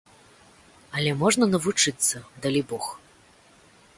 Але можна навучыцца, далібог.